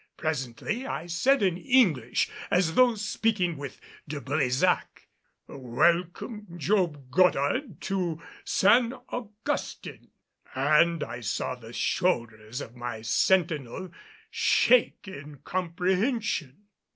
Presently I said in English as though speaking with De Brésac: "Welcome, Job Goddard, to San Augustin," and I saw the shoulders of my sentinel shake in comprehension.